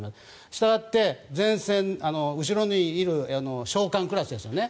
したがって前線後ろにいる将官クラスですよね。